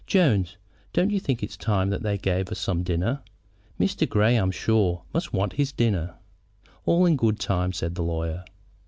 Jones, don't you think it is time they gave us some dinner? Mr. Grey, I'm sure, must want his dinner." "All in good time," said the lawyer.